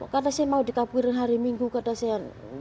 kata saya mau dikaburin hari minggu kata saya